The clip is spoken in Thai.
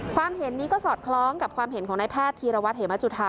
ความเห็นนี้ก็สอดคล้องกับความเห็นของนายแพทย์ธีรวัตรเหมจุธา